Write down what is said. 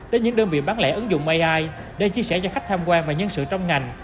đến những đơn vị bán lẻ ứng dụng ai để chia sẻ cho khách tham quan và nhân sự trong ngành